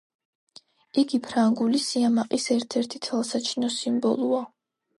იგი ფრანგული სიამაყის ერთ-ერთი თვალსაჩინო სიმბოლოა.